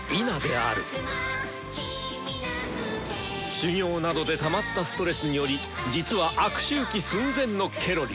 修行などでたまったストレスにより実は悪周期寸前のケロリ。